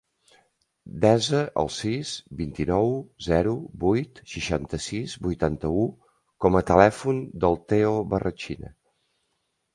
Desa el sis, vint-i-nou, zero, vuit, seixanta-sis, vuitanta-u com a telèfon del Theo Barrachina.